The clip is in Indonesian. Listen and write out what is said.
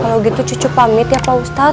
kalau gitu cucu pamit ya pak ustadz